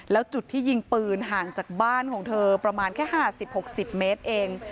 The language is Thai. แล้วจุดที่ยิงปืนห่างจากบ้านของเธอประมาณแค่๕๐๖๐เมตรเอง